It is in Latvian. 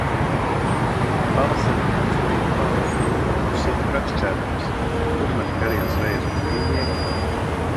Pavasarim raksturīgi pali. Ledus iet brakšķēdams. Kur mani garie zvejas gumijnieki?